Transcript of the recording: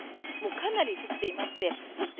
かなり降っていましてそして